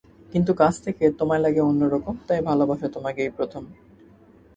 কিন্তু কাছ থেকে তোমায় লাগে অন্য রকম, তাই ভালোবাসা তোমাকেই প্রথম।